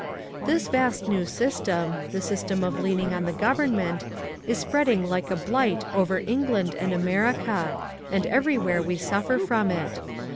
This vast new system, the system of leaning on the government, is spreading like a blight over England and America, and everywhere we suffer from it.